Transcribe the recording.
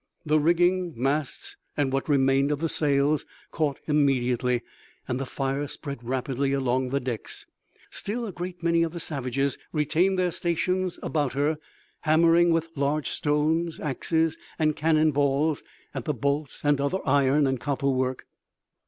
The rigging, masts and what remained of the sails caught immediately, and the fire spread rapidly along the decks. Still a great many of the savages retained their stations about her, hammering with large stones, axes, and cannon balls at the bolts and other iron and copper work.